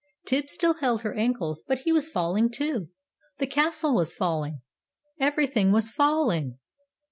Tibbs still held her ankles, but he was falling too! The Castle was falling! EVERYTHING was FALLING!